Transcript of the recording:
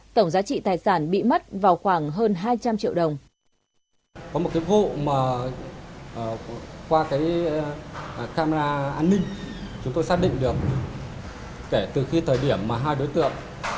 tổng giá trị tài sản bị mất vào khoảng hơn hai trăm linh triệu đồng